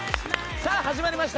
さあ、始まりました。